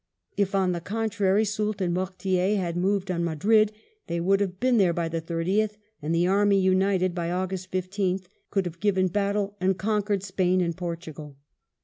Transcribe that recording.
If, on the contrary, Soult and Mortier had moved on Madrid they would have been there by the 30th, and the army, united by August 15 th, could have given battle and conquered Spain and Portugal."